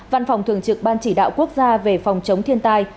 văn phòng thường trực ban chỉ đạo quốc gia về phòng chống thiên tai